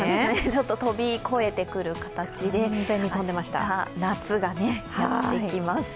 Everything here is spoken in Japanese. ちょっと飛び越えてきちゃう形で夏がやってきます。